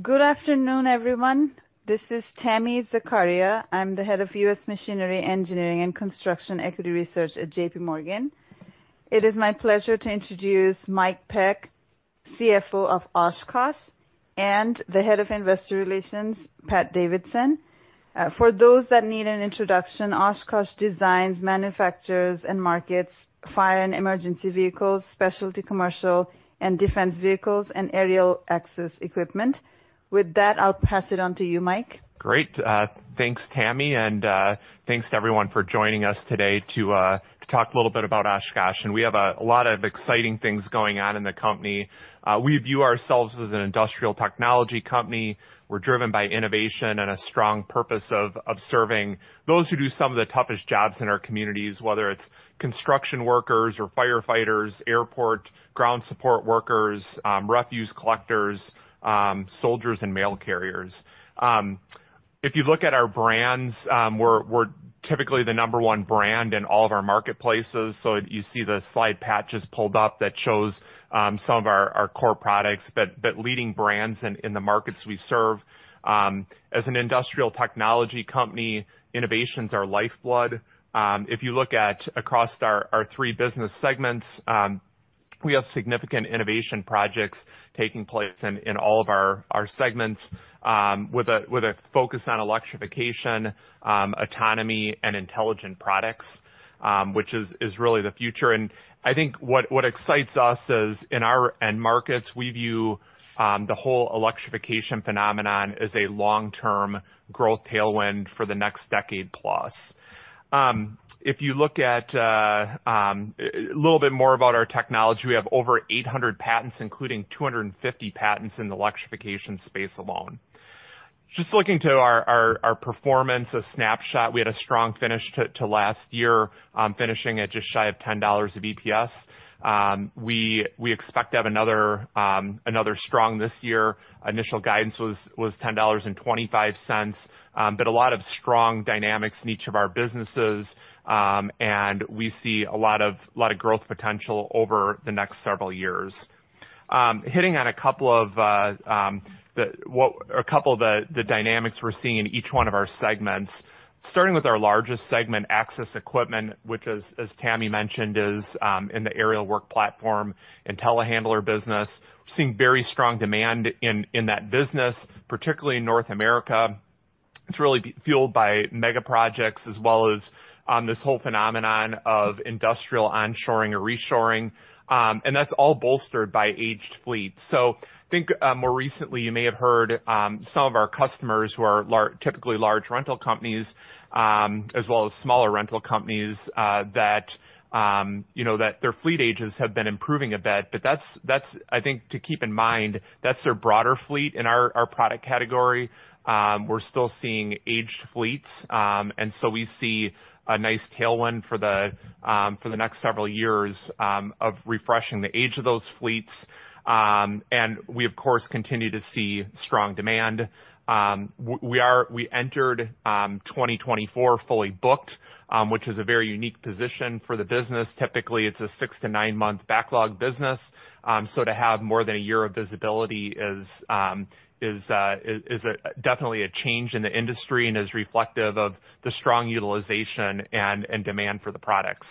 Good afternoon, everyone. This is Tami Zakaria. I'm the head of US Machinery Engineering and Construction Equity Research at JPMorgan. It is my pleasure to introduce Mike Pack, CFO of Oshkosh, and the head of Investor Relations, Pat Davidson. For those that need an introduction, Oshkosh designs, manufactures, and markets fire and emergency vehicles, specialty commercial and defense vehicles, and aerial access equipment. With that, I'll pass it on to you, Mike. Great. Thanks, Tami, and thanks to everyone for joining us today to talk a little bit about Oshkosh. We have a lot of exciting things going on in the company. We view ourselves as an industrial technology company. We're driven by innovation and a strong purpose of serving those who do some of the toughest jobs in our communities, whether it's construction workers or firefighters, airport ground support workers, refuse collectors, soldiers and mail carriers. If you look at our brands, we're typically the number one brand in all of our marketplaces. So you see the slide Pat just pulled up that shows some of our core products, but leading brands in the markets we serve. As an industrial technology company, innovations are lifeblood. If you look at across our three business segments, we have significant innovation projects taking place in all of our segments, with a focus on electrification, autonomy, and intelligent products, which is really the future. And I think what excites us is, in our end markets, we view the whole electrification phenomenon as a long-term growth tailwind for the next decade plus. If you look at a little bit more about our technology, we have over 800 patents, including 250 patents in the electrification space alone. Just looking to our performance, a snapshot, we had a strong finish to last year, finishing at just shy of $10 of EPS. We expect to have another strong this year. Initial guidance was $10.25, but a lot of strong dynamics in each of our businesses, and we see a lot of growth potential over the next several years. Hitting on a couple of the dynamics we're seeing in each one of our segments, starting with our largest segment, access equipment, which is, as Tami mentioned, in the aerial work platform and telehandler business. We're seeing very strong demand in that business, particularly in North America. It's really being fueled by mega projects as well as this whole phenomenon of industrial onshoring or reshoring, and that's all bolstered by aged fleets. So I think, more recently, you may have heard, some of our customers who are typically large rental companies, as well as smaller rental companies, that, you know, that their fleet ages have been improving a bit, but that's, that's, I think, to keep in mind, that's their broader fleet. In our, our product category, we're still seeing aged fleets, and so we see a nice tailwind for the, for the next several years, of refreshing the age of those fleets, and we, of course, continue to see strong demand. We entered 2024 fully booked, which is a very unique position for the business. Typically, it's a 6-9-month backlog business, so to have more than a year of visibility is definitely a change in the industry and is reflective of the strong utilization and demand for the products.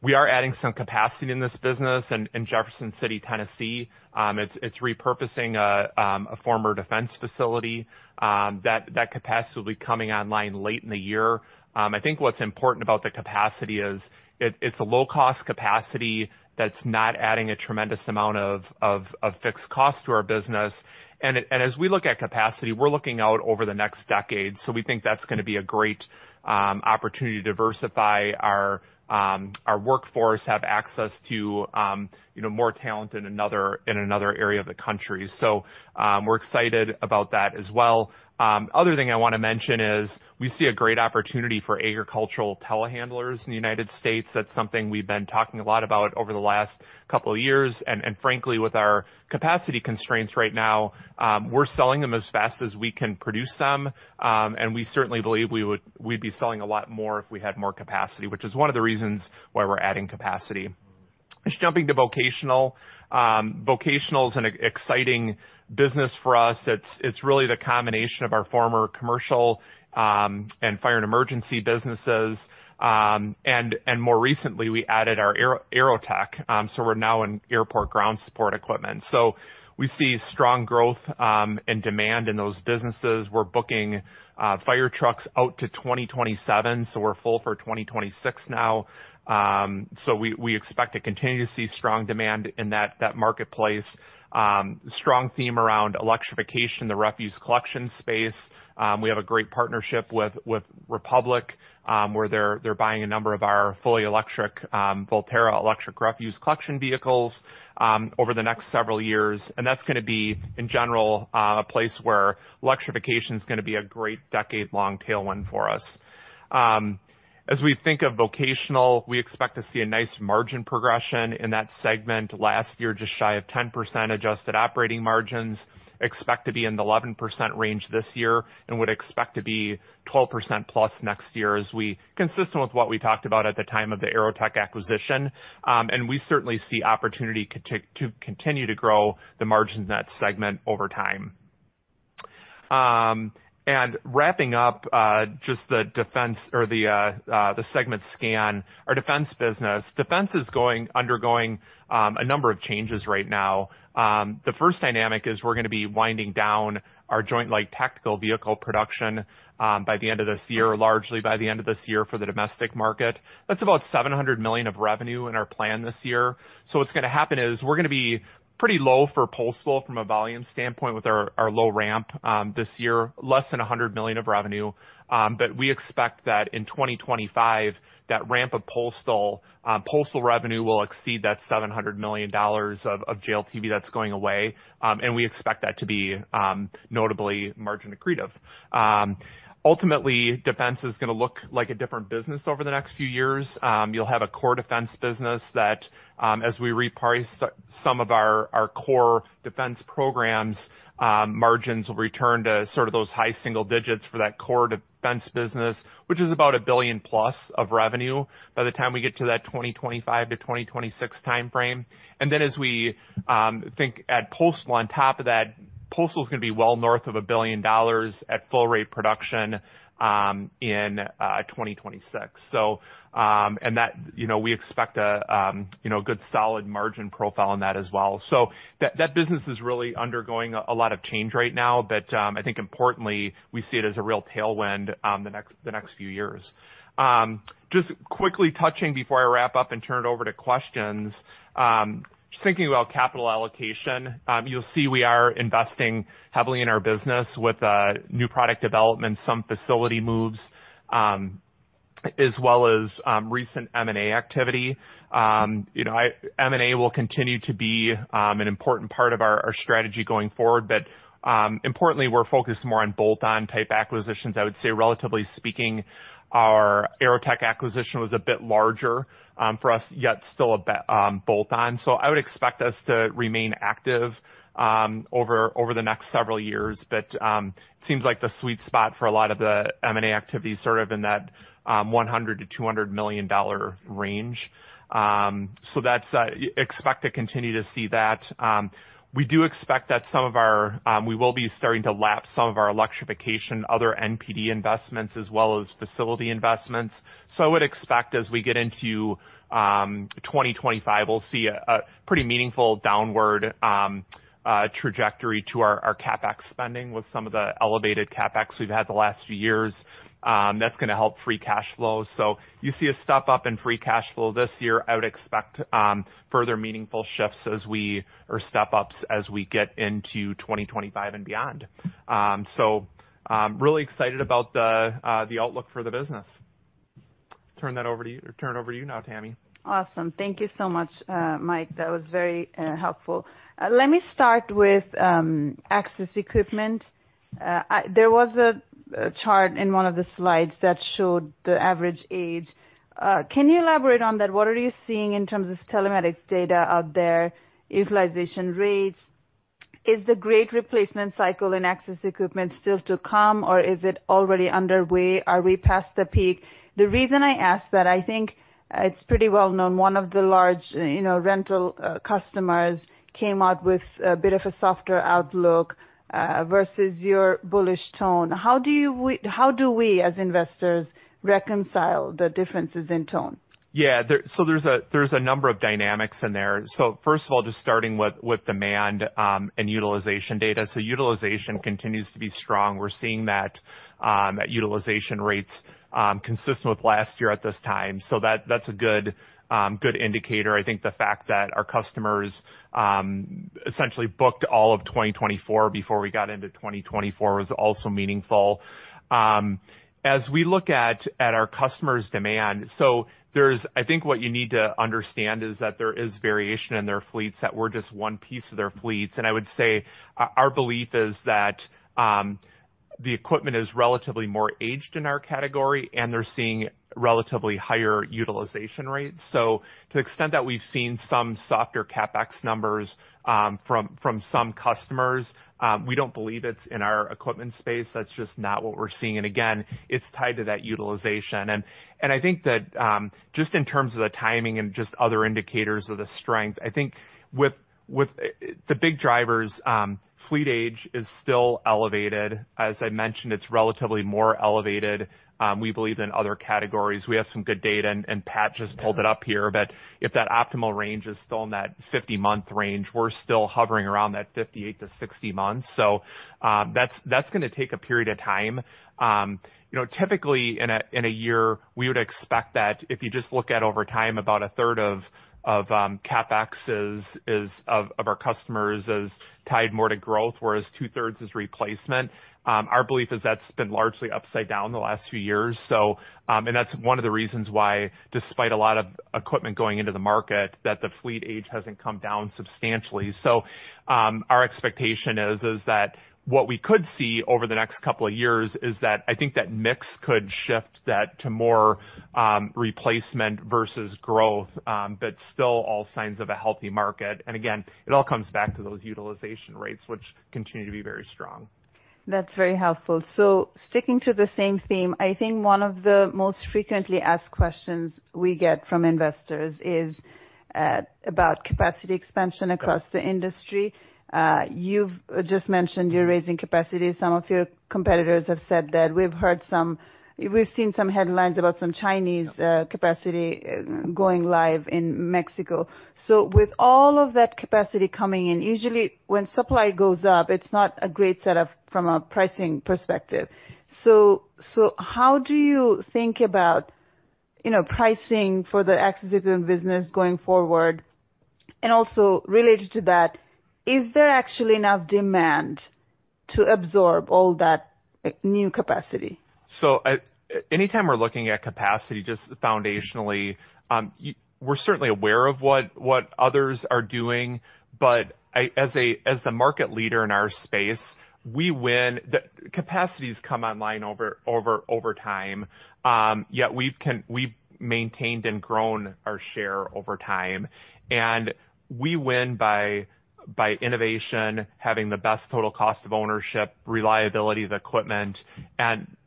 We are adding some capacity in this business in Jefferson City, Tennessee. It's repurposing a former defense facility. That capacity will be coming online late in the year. I think what's important about the capacity is it's a low-cost capacity that's not adding a tremendous amount of fixed cost to our business. And it... As we look at capacity, we're looking out over the next decade, so we think that's gonna be a great opportunity to diversify our workforce, have access to, you know, more talent in another area of the country. We're excited about that as well. Another thing I wanna mention is, we see a great opportunity for agricultural telehandlers in the United States. That's something we've been talking a lot about over the last couple of years. Frankly, with our capacity constraints right now, we're selling them as fast as we can produce them, and we certainly believe we'd be selling a lot more if we had more capacity, which is one of the reasons why we're adding capacity. Just jumping to vocational. Vocational is an exciting business for us. It's really the combination of our former commercial and fire and emergency businesses. And more recently, we added our AeroTech, so we're now in airport ground support equipment. So we see strong growth and demand in those businesses. We're booking fire trucks out to 2027, so we're full for 2026 now. So we expect to continue to see strong demand in that marketplace. Strong theme around electrification, the refuse collection space. We have a great partnership with Republic, where they're buying a number of our fully electric Volterra electric refuse collection vehicles over the next several years. And that's gonna be, in general, a place where electrification is gonna be a great decade-long tailwind for us. As we think of vocational, we expect to see a nice margin progression in that segment. Last year, just shy of 10% adjusted operating margins, expect to be in the 11% range this year and would expect to be 12% plus next year. Consistent with what we talked about at the time of the AeroTech acquisition. And we certainly see opportunity to continue to grow the margin in that segment over time. And wrapping up, just the defense or the, the segment scan, our defense business. Defense is undergoing a number of changes right now. The first dynamic is we're gonna be winding down our Joint Light Tactical Vehicle production, by the end of this year, largely by the end of this year for the domestic market. That's about $700 million of revenue in our plan this year. So what's gonna happen is, we're gonna be pretty low for postal from a volume standpoint with our low ramp this year, less than $100 million of revenue. But we expect that in 2025, that ramp of postal revenue will exceed that $700 million of JLTV that's going away. And we expect that to be notably margin accretive. Ultimately, defense is gonna look like a different business over the next few years. You'll have a core defense business that, as we reprice some of our core defense programs, margins will return to sort of those high single digits for that core defense business, which is about $1 billion+ of revenue by the time we get to that 2025-2026 timeframe. And then as we think, add postal on top of that, postal is gonna be well north of $1 billion at full rate production in 2026. So, and that—you know, we expect a good solid margin profile on that as well. So that, that business is really undergoing a lot of change right now, but, I think importantly, we see it as a real tailwind the next few years. Just quickly touching before I wrap up and turn it over to questions. Just thinking about capital allocation, you'll see we are investing heavily in our business with new product development, some facility moves, as well as recent M&A activity. You know, M&A will continue to be an important part of our strategy going forward, but importantly, we're focused more on bolt-on type acquisitions. I would say, relatively speaking, our AeroTech acquisition was a bit larger for us, yet still a bolt-on. So I would expect us to remain active over the next several years. But seems like the sweet spot for a lot of the M&A activity is sort of in that $100 million-$200 million range. So that's expect to continue to see that. We do expect that some of our, we will be starting to lap some of our electrification, other NPD investments, as well as facility investments. So I would expect as we get into 2025, we'll see a pretty meaningful downward trajectory to our CapEx spending with some of the elevated CapEx we've had the last few years. That's gonna help free cash flow. So you see a step up in free cash flow this year. I would expect further meaningful shifts as we... or step ups as we get into 2025 and beyond. So, I'm really excited about the outlook for the business. Turn that over to you, turn over to you now, Tami. Awesome. Thank you so much, Mike. That was very helpful. Let me start with access equipment. There was a chart in one of the slides that showed the average age. Can you elaborate on that? What are you seeing in terms of telematics data out there, utilization rates? Is the great replacement cycle in access equipment still to come, or is it already underway? Are we past the peak? The reason I ask that, I think it's pretty well known, one of the large, you know, rental customers came out with a bit of a softer outlook versus your bullish tone. How do we, as investors, reconcile the differences in tone? Yeah. So there's a number of dynamics in there. So first of all, just starting with demand and utilization data. So utilization continues to be strong. We're seeing that utilization rates consistent with last year at this time. So that's a good indicator. I think the fact that our customers essentially booked all of 2024 before we got into 2024 was also meaningful. As we look at our customers' demand, so there's. I think what you need to understand is that there is variation in their fleets, that we're just one piece of their fleets. And I would say our belief is that the equipment is relatively more aged in our category, and they're seeing relatively higher utilization rates. So to the extent that we've seen some softer CapEx numbers from some customers, we don't believe it's in our equipment space. That's just not what we're seeing. And again, it's tied to that utilization. And I think that just in terms of the timing and just other indicators of the strength, I think with the big drivers, fleet age is still elevated. As I mentioned, it's relatively more elevated we believe than other categories. We have some good data, and Pat just pulled it up here. But if that optimal range is still in that 50-month range, we're still hovering around that 58-60 months. So that's gonna take a period of time. You know, typically in a year, we would expect that if you just look at over time, about a third of CapEx is of our customers is tied more to growth, whereas two-thirds is replacement. Our belief is that's been largely upside down the last few years. So, and that's one of the reasons why, despite a lot of equipment going into the market, that the fleet age hasn't come down substantially. So, our expectation is that what we could see over the next couple of years is that I think that mix could shift that to more replacement versus growth, but still all signs of a healthy market. And again, it all comes back to those utilization rates, which continue to be very strong. That's very helpful. So sticking to the same theme, I think one of the most frequently asked questions we get from investors is about capacity expansion across the industry. You've just mentioned you're raising capacity. Some of your competitors have said that. We've heard some, we've seen some headlines about some Chinese capacity going live in Mexico. So with all of that capacity coming in, usually when supply goes up, it's not a great setup from a pricing perspective. So how do you think about, you know, pricing for the access business going forward? And also related to that, is there actually enough demand to absorb all that new capacity? So, anytime we're looking at capacity, just foundationally, we're certainly aware of what others are doing, but as the market leader in our space, we win. The capacities come online over time, yet we've maintained and grown our share over time. And we win by innovation, having the best total cost of ownership, reliability of equipment,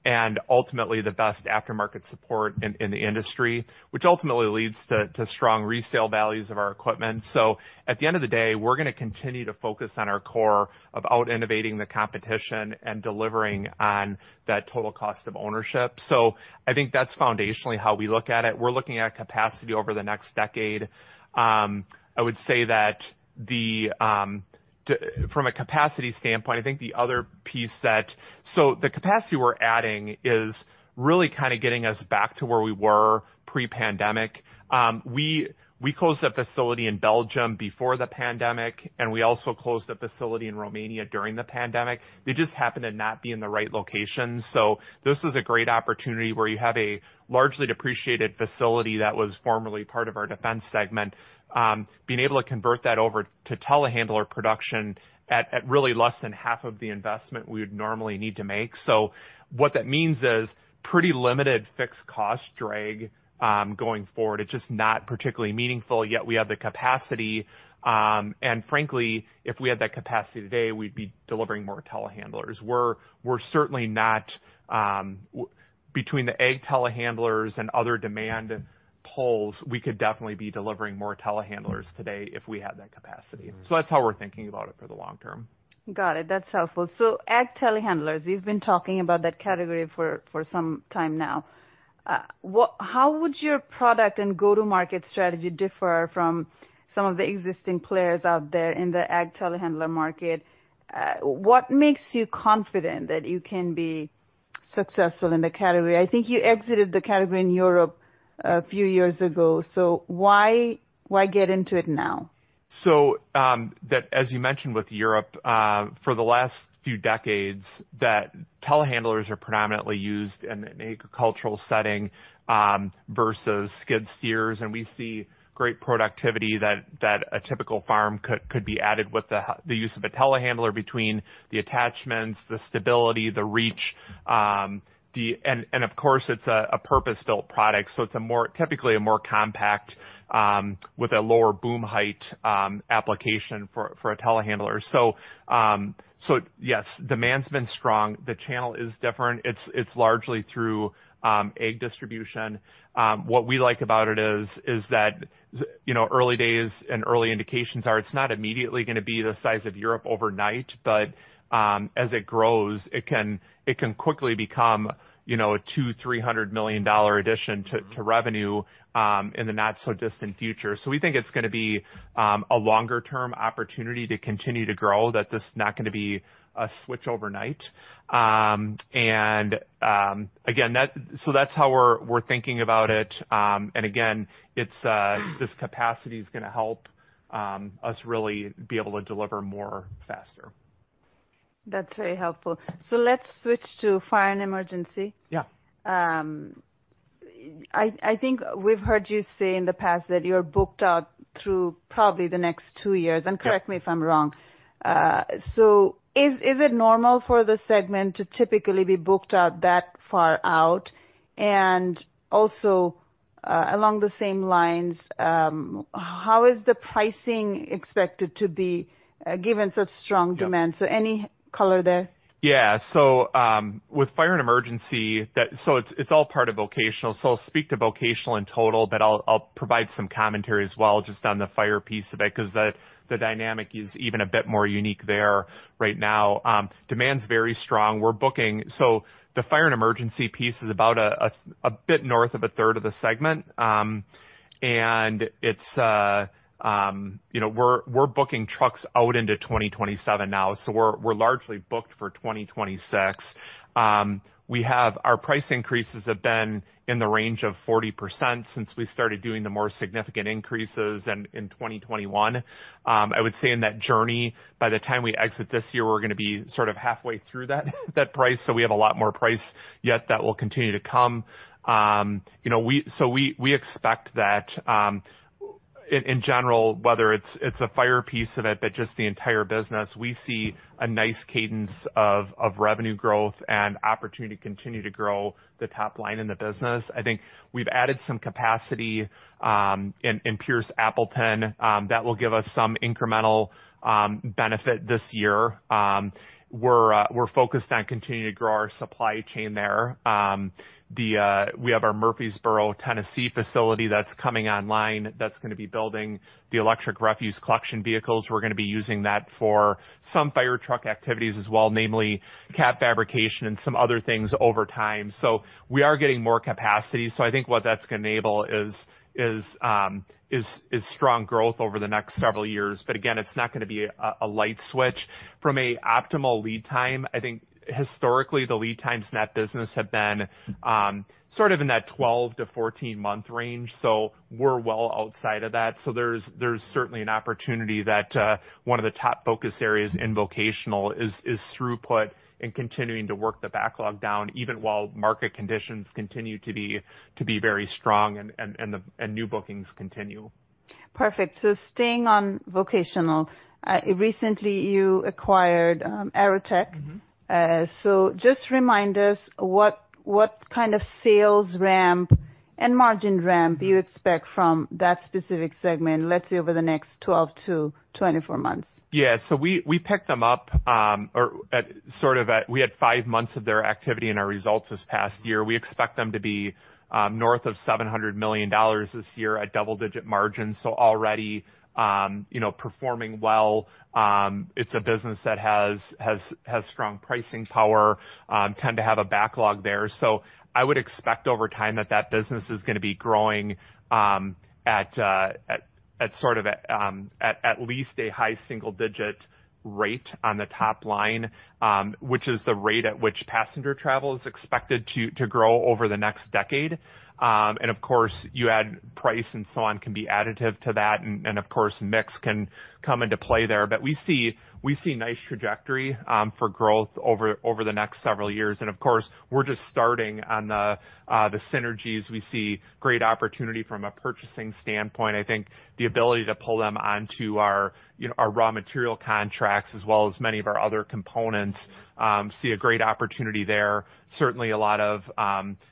and ultimately, the best aftermarket support in the industry, which ultimately leads to strong resale values of our equipment. So at the end of the day, we're gonna continue to focus on our core of out-innovating the competition and delivering on that total cost of ownership. So I think that's foundationally how we look at it. We're looking at capacity over the next decade. I would say that from a capacity standpoint, I think the other piece that. So the capacity we're adding is really kind of getting us back to where we were pre-pandemic. We closed a facility in Belgium before the pandemic, and we also closed a facility in Romania during the pandemic. They just happened to not be in the right location. So this is a great opportunity where you have a largely depreciated facility that was formerly part of our defense segment. Being able to convert that over to telehandler production at really less than half of the investment we would normally need to make. So what that means is pretty limited fixed cost drag going forward. It's just not particularly meaningful, yet we have the capacity, and frankly, if we had that capacity today, we'd be delivering more telehandlers. We're certainly not. Between the ag telehandlers and other demand pulls, we could definitely be delivering more telehandlers today if we had that capacity. So that's how we're thinking about it for the long term. Got it. That's helpful. So ag telehandlers, you've been talking about that category for some time now. What, how would your product and go-to-market strategy differ from some of the existing players out there in the ag telehandler market? What makes you confident that you can be successful in the category? I think you exited the category in Europe a few years ago, so why get into it now? So, that as you mentioned with Europe, for the last few decades, that telehandlers are predominantly used in an agricultural setting, versus skid steers, and we see great productivity that a typical farm could be added with the use of a telehandler between the attachments, the stability, the reach, the. And, of course, it's a purpose-built product, so it's more typically a more compact with a lower boom height application for a telehandler. So, so yes, demand's been strong. The channel is different. It's largely through ag distribution. What we like about it is that, you know, early days and early indications are it's not immediately gonna be the size of Europe overnight, but as it grows, it can quickly become, you know, a $200 million-$300 million addition to- Mm-hmm... to revenue in the not so distant future. So we think it's gonna be a longer term opportunity to continue to grow, that this is not gonna be a switch overnight. So that's how we're thinking about it. And again, it's this capacity is gonna help us really be able to deliver more faster. That's very helpful. So let's switch to fire and emergency. Yeah. I think we've heard you say in the past that you're booked out through probably the next two years, - Yeah Correct me if I'm wrong. So is it normal for the segment to typically be booked out that far out? And also, along the same lines, how is the pricing expected to be, given such strong demand? Yeah. Any color there? Yeah. So, with fire and emergency, it's all part of vocational, so I'll speak to vocational in total, but I'll provide some commentary as well, just on the fire piece of it, 'cause the dynamic is even a bit more unique there right now. Demand's very strong. We're booking. So the fire and emergency piece is about a bit north of a third of the segment. And it's, you know, we're booking trucks out into 2027 now, so we're largely booked for 2026. We have. Our price increases have been in the range of 40% since we started doing the more significant increases in 2021. I would say in that journey, by the time we exit this year, we're gonna be sort of halfway through that price, so we have a lot more price yet that will continue to come. You know, so we expect that, in general, whether it's a fire piece of it, but just the entire business, we see a nice cadence of revenue growth and opportunity to continue to grow the top line in the business. I think we've added some capacity in Pierce, Appleton, that will give us some incremental benefit this year. We're focused on continuing to grow our supply chain there. We have our Murfreesboro, Tennessee, facility that's coming online, that's gonna be building the electric refuse collection vehicles. We're gonna be using that for some fire truck activities as well, namely cap fabrication and some other things over time. So we are getting more capacity. So I think what that's gonna enable is strong growth over the next several years. But again, it's not gonna be a light switch. From a optimal lead time, I think historically, the lead times in that business have been sort of in that 12-14-month range, so we're well outside of that. So there's certainly an opportunity that one of the top focus areas in vocational is throughput and continuing to work the backlog down, even while market conditions continue to be very strong and new bookings continue.... Perfect. So staying on vocational, recently you acquired, AeroTech. Mm-hmm. So just remind us what, what kind of sales ramp and margin ramp you expect from that specific segment, let's say, over the next 12-24 months? Yeah. So we picked them up. We had five months of their activity in our results this past year. We expect them to be north of $700 million this year at double-digit margins, so already, you know, performing well. It's a business that has strong pricing power, tend to have a backlog there. So I would expect over time that that business is gonna be growing at at least a high single-digit rate on the top line, which is the rate at which passenger travel is expected to grow over the next decade. And of course, you add price and so on, can be additive to that, and of course, mix can come into play there. But we see nice trajectory for growth over the next several years. And of course, we're just starting on the synergies. We see great opportunity from a purchasing standpoint. I think the ability to pull them onto our, you know, our raw material contracts as well as many of our other components, see a great opportunity there. Certainly a lot of,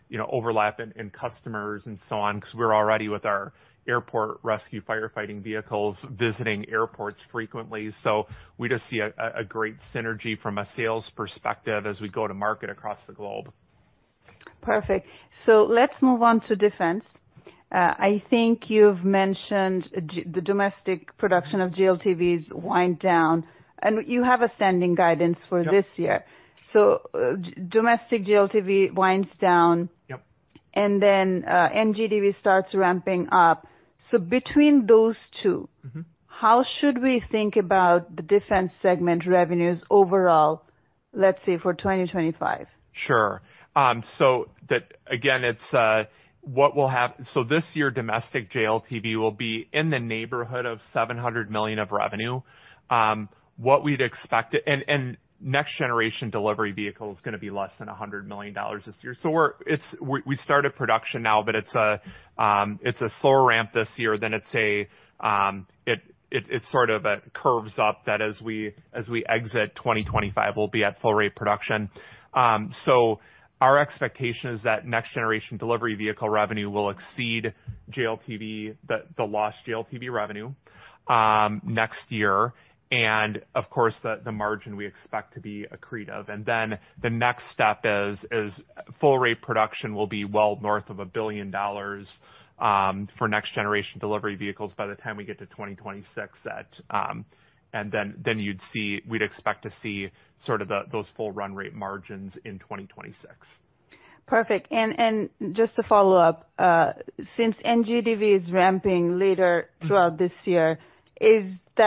you know, overlap in customers and so on, 'cause we're already with our airport rescue firefighting vehicles, visiting airports frequently. So we just see a great synergy from a sales perspective as we go to market across the globe. Perfect. So let's move on to defense. I think you've mentioned the domestic production of JLTVs wind down, and you have a standing guidance for this year. Yep. So, domestic JLTV winds down. Yep. - and then, NGDV starts ramping up. So between those two- Mm-hmm. How should we think about the defense segment revenues overall, let's say, for 2025? Sure. So again, what will happen. So this year, domestic JLTV will be in the neighborhood of $700 million of revenue. What we'd expect it. Next generation delivery vehicle is gonna be less than $100 million this year. So we started production now, but it's a slower ramp this year than it sort of curves up, that as we exit 2025, we'll be at full rate production. So our expectation is that next generation delivery vehicle revenue will exceed JLTV, the lost JLTV revenue, next year. And of course, the margin we expect to be accretive. And then, the next step is full rate production will be well north of $1 billion for Next Generation Delivery Vehicles by the time we get to 2026. And then, then you'd see—we'd expect to see sort of the, those full run rate margins in 2026. Perfect. And just to follow up, since NGDV is ramping later throughout this year, is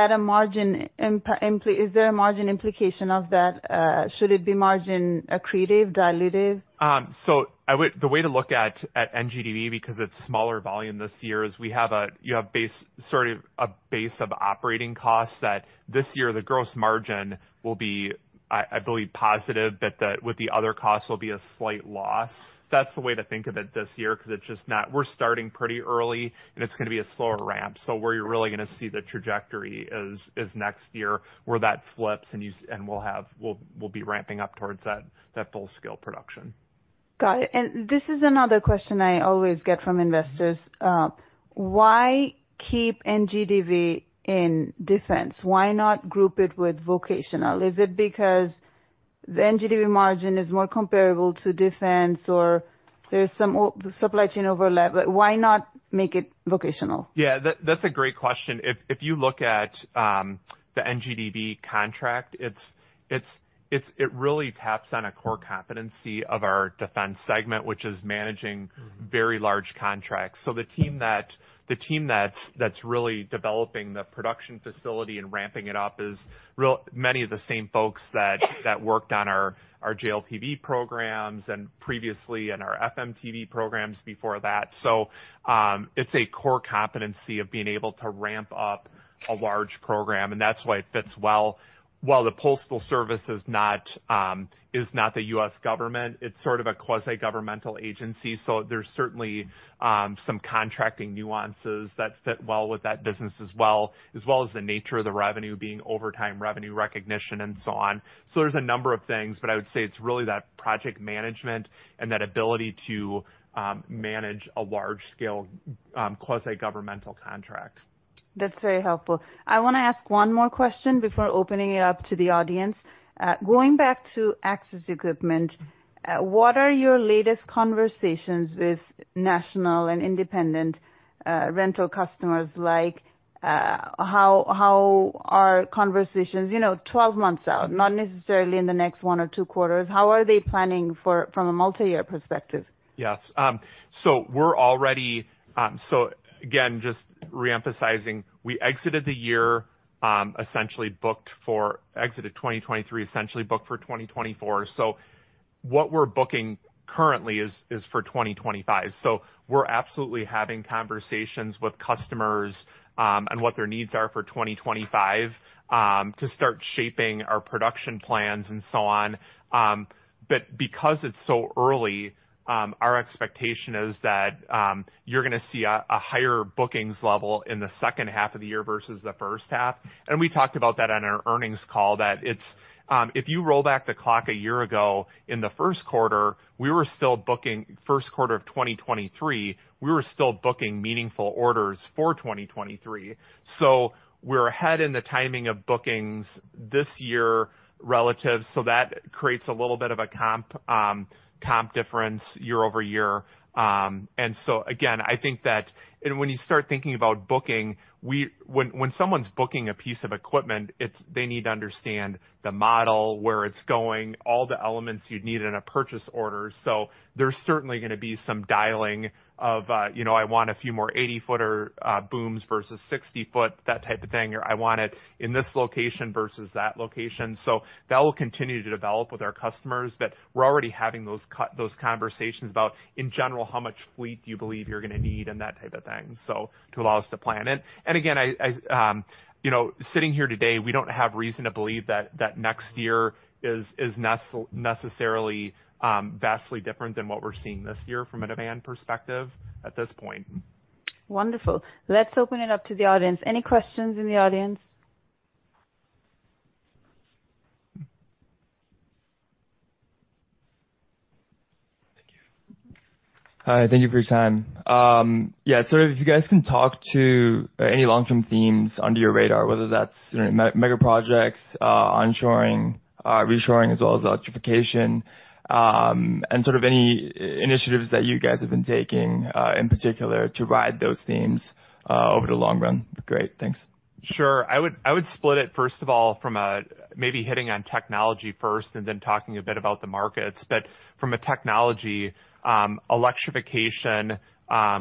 there a margin implication of that? Should it be margin accretive, dilutive? So the way to look at NGDV, because it's smaller volume this year, is we have a base, sort of a base of operating costs, that this year the gross margin will be, I believe, positive, but with the other costs, will be a slight loss. That's the way to think of it this year, 'cause it's just not... We're starting pretty early, and it's gonna be a slower ramp. So where you're really gonna see the trajectory is next year, where that flips, and we'll have, we'll be ramping up towards that full-scale production. Got it. This is another question I always get from investors. Mm-hmm. Why keep NGDV in defense? Why not group it with vocational? Is it because the NGDV margin is more comparable to defense or there's some supply chain overlap? But why not make it vocational? Yeah, that's a great question. If you look at the NGDV contract, it really taps on a core competency of our defense segment, which is managing- Mm-hmm Very large contracts. So the team that's really developing the production facility and ramping it up is really many of the same folks that worked on our JLTV programs and previously, and our FMTV programs before that. So it's a core competency of being able to ramp up a large program, and that's why it fits well. While the Postal Service is not the U.S. government, it's sort of a quasi-governmental agency, so there's certainly some contracting nuances that fit well with that business as well as the nature of the revenue being over time revenue recognition, and so on. So there's a number of things, but I would say it's really that project management and that ability to manage a large-scale quasi-governmental contract. That's very helpful. I wanna ask one more question before opening it up to the audience. Going back to access equipment, what are your latest conversations with national and independent rental customers like, how are conversations, you know, 12 months out, not necessarily in the next one or two quarters? How are they planning for—from a multi-year perspective? Yes. So we're already. So again, just re-emphasizing, we exited the year, essentially booked for exited 2023, essentially booked for 2024. So what we're booking currently is for 2025. So we're absolutely having conversations with customers, and what their needs are for 2025, to start shaping our production plans and so on. But because it's so early, our expectation is that you're gonna see a higher bookings level in the second half of the year versus the first half. And we talked about that on our earnings call, that it's if you roll back the clock a year ago, in the first quarter, we were still booking first quarter of 2023, we were still booking meaningful orders for 2023. So we're ahead in the timing of bookings this year relative, so that creates a little bit of a comp difference year over year. And so again, I think that when you start thinking about booking, when someone's booking a piece of equipment, they need to understand the model, where it's going, all the elements you'd need in a purchase order. So there's certainly gonna be some dialing of, you know, I want a few more 80-footer booms versus 60-foot, that type of thing, or I want it in this location versus that location. So that will continue to develop with our customers, but we're already having those conversations about, in general, how much fleet do you believe you're gonna need, and that type of thing, so to allow us to plan it. Again, you know, sitting here today, we don't have reason to believe that next year is necessarily vastly different than what we're seeing this year from a demand perspective at this point. Wonderful. Let's open it up to the audience. Any questions in the audience? Thank you. Hi, thank you for your time. Yeah, sort of if you guys can talk to any long-term themes under your radar, whether that's mega projects, onshoring, reshoring, as well as electrification, and sort of any initiatives that you guys have been taking, in particular, to ride those themes, over the long run. Great. Thanks. Sure. I would, I would split it, first of all, from a-- maybe hitting on technology first and then talking a bit about the markets. But from a technology, electrification,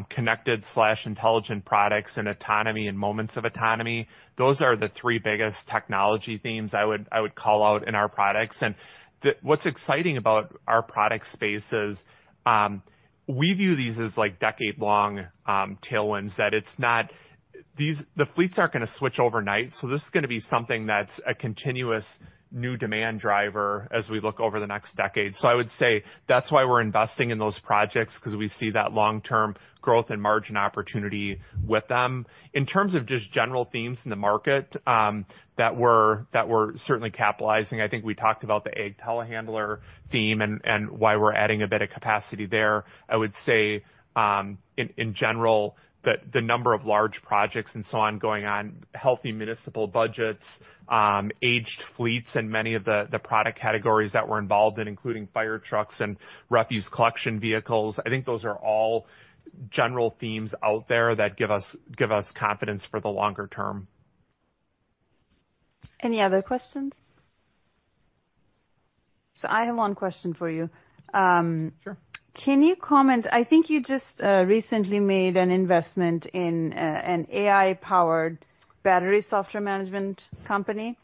connected/intelligent products, and autonomy and moments of autonomy, those are the three biggest technology themes I would, I would call out in our products. And the... What's exciting about our product space is, we view these as, like, decade-long tailwinds, that it's not-- these-- the fleets aren't gonna switch overnight, so this is gonna be something that's a continuous new demand driver as we look over the next decade. So I would say that's why we're investing in those projects, 'cause we see that long-term growth and margin opportunity with them. In terms of just general themes in the market, that we're certainly capitalizing, I think we talked about the ag telehandler theme and why we're adding a bit of capacity there. I would say, in general, the number of large projects and so on going on, healthy municipal budgets, aged fleets in many of the product categories that we're involved in, including fire trucks and refuse collection vehicles, I think those are all general themes out there that give us confidence for the longer term. Any other questions? So I have one question for you. Sure. Can you comment? I think you just recently made an investment in an AI-powered battery software management company.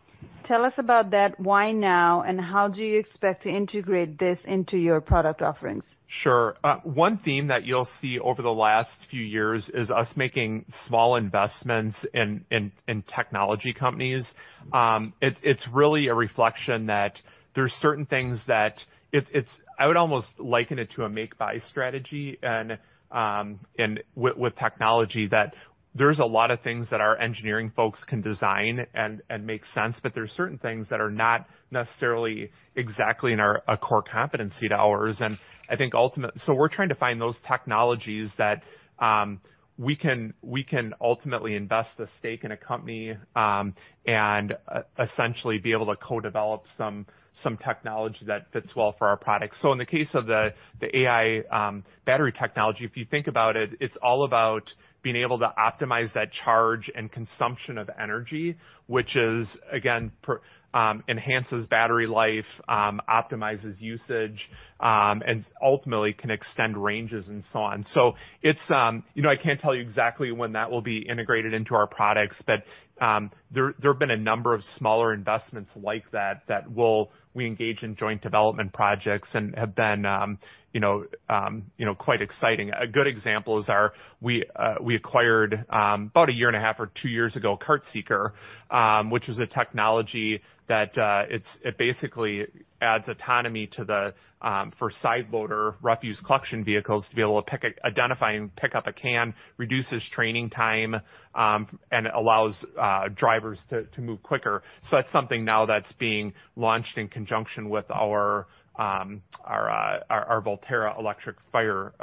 Tell us about that. Why now, and how do you expect to integrate this into your product offerings? Sure. One theme that you'll see over the last few years is us making small investments in technology companies. It's really a reflection that there are certain things that it's. I would almost liken it to a make-buy strategy, and with technology, that there's a lot of things that our engineering folks can design and make sense, but there are certain things that are not necessarily exactly in our core competency to ours. And I think so we're trying to find those technologies that we can ultimately invest a stake in a company, and essentially be able to co-develop some technology that fits well for our products. So in the case of the AI battery technology, if you think about it, it's all about being able to optimize that charge and consumption of energy, which is, again, enhances battery life, optimizes usage, and ultimately can extend ranges and so on. So it's... You know, I can't tell you exactly when that will be integrated into our products, but, there, there have been a number of smaller investments like that, that will. We engage in joint development projects and have been, you know, quite exciting. A good example is. We acquired about 1.5 or 2 years ago CartSeeker, which is a technology that basically adds autonomy to the side loader refuse collection vehicles to be able to identify and pick up a can, reduces training time, and allows drivers to move quicker. So that's something now that's being launched in conjunction with our Volterra electric fire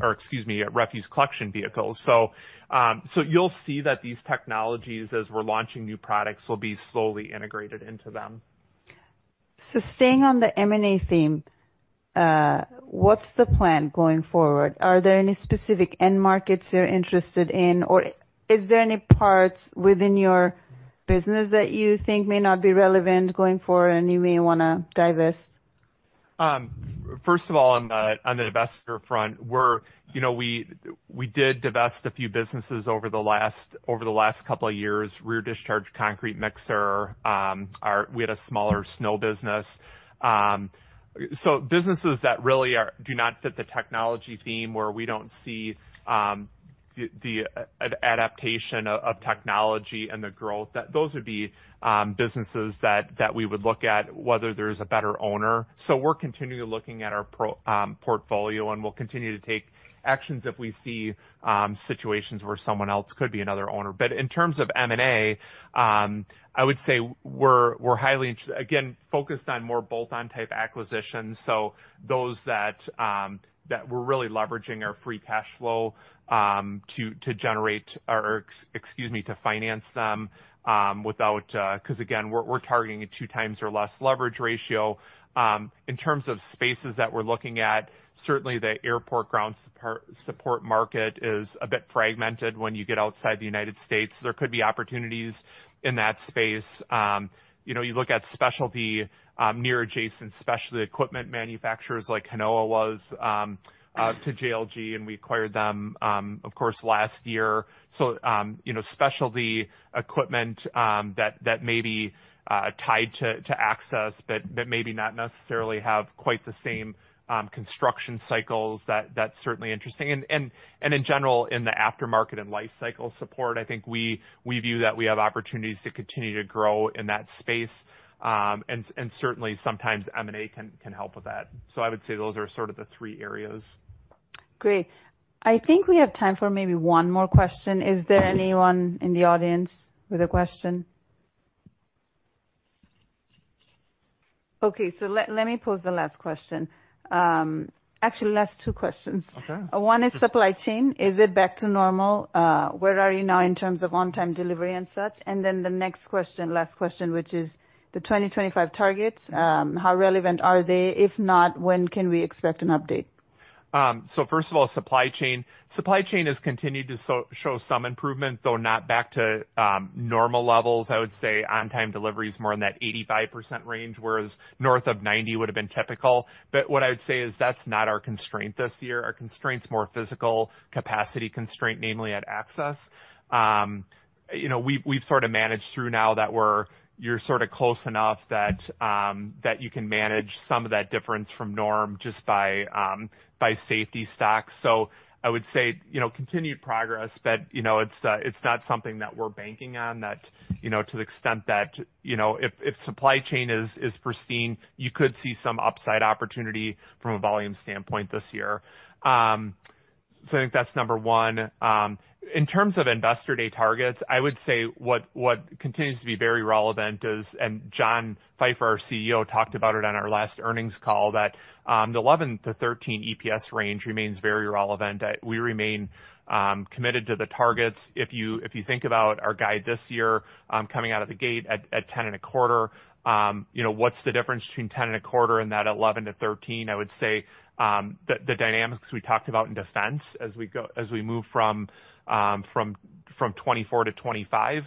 or excuse me refuse collection vehicles. So you'll see that these technologies, as we're launching new products, will be slowly integrated into them. So staying on the M&A theme, what's the plan going forward? Are there any specific end markets you're interested in, or is there any parts within your business that you think may not be relevant going forward, and you may wanna divest?... First of all, on the investor front, we're, you know, we did divest a few businesses over the last couple of years. Rear discharge concrete mixer, our, we had a smaller snow business. So businesses that really are, do not fit the technology theme, where we don't see the adaptation of technology and the growth, that those would be businesses that we would look at, whether there's a better owner. So we're continually looking at our portfolio, and we'll continue to take actions if we see situations where someone else could be another owner. But in terms of M&A, I would say we're, we're highly interested, again, focused on more bolt-on type acquisitions, so those that, that we're really leveraging our free cash flow to generate or excuse me, to finance them, without... 'cause, again, we're, we're targeting a 2x or less leverage ratio. In terms of spaces that we're looking at, certainly the airport ground support market is a bit fragmented when you get outside the United States. There could be opportunities in that space. You know, you look at specialty near adjacent, specialty equipment manufacturers like Hinowa was to JLG, and we acquired them, of course, last year. So, you know, specialty equipment that may be tied to access, but that maybe not necessarily have quite the same construction cycles, that's certainly interesting. And in general, in the aftermarket and life cycle support, I think we view that we have opportunities to continue to grow in that space. And certainly, sometimes M&A can help with that. So I would say those are sort of the three areas. Great. I think we have time for maybe one more question. Is there anyone in the audience with a question? Okay, so let me pose the last question. Actually, last two questions. Okay. One is supply chain. Is it back to normal? Where are you now in terms of on-time delivery and such? And then the next question, last question, which is the 2025 targets, how relevant are they? If not, when can we expect an update? So first of all, supply chain. Supply chain has continued to show some improvement, though not back to normal levels. I would say on-time delivery is more in that 85% range, whereas north of 90% would've been typical. But what I would say is that's not our constraint this year. Our constraint's more physical capacity constraint, namely at access. You know, we've sort of managed through now that we're—you're sort of close enough that you can manage some of that difference from norm just by safety stocks. So I would say, you know, continued progress, but, you know, it's not something that we're banking on, that, you know, to the extent that, you know, if supply chain is pristine, you could see some upside opportunity from a volume standpoint this year. So I think that's number one. In terms of investor day targets, I would say what continues to be very relevant is, and John Pfeifer, our CEO, talked about it on our last earnings call, that the 11-13 EPS range remains very relevant, that we remain committed to the targets. If you think about our guide this year, coming out of the gate at 10.25, you know, what's the difference between 10.25 and that 11-13? I would say, the dynamics we talked about in defense as we go—as we move from 2024 to 2025,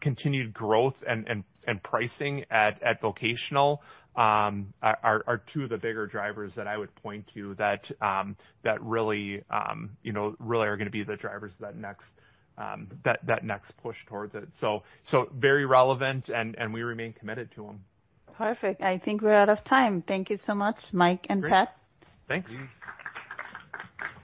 continued growth and pricing at vocational are two of the bigger drivers that I would point to that really, you know, really are gonna be the drivers that next, that next push towards it. So very relevant and we remain committed to them. Perfect. I think we're out of time. Thank you so much, Mike and Pat. Thanks.